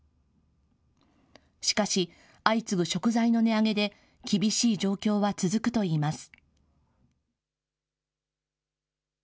しかし、相次ぐ食材の値上げで、厳しい状況は続くといいます。